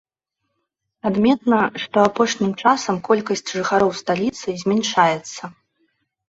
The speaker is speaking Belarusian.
Адметна, што апошнім часам колькасць жыхароў сталіцы змяншаецца.